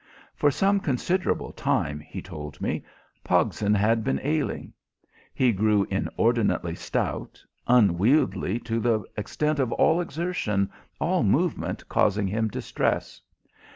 For some considerable time, he told me, Pogson had been ailing. He grew inordinately stout, unwieldy to the extent of all exertion, all movement causing him distress.